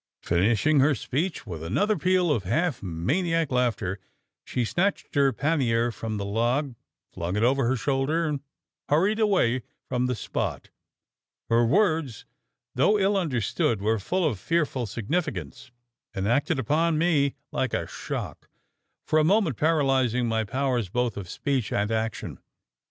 Finishing her speech with another peal of half maniac laughter, she snatched her pannier from the log, flung it over her shoulder, and hurried away from the spot! Her words, though ill understood, were full of fearful significance, and acted upon me like a shock for a moment paralysing my powers both of speech and action.